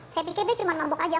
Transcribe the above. saya pikir dia cuma numpuk aja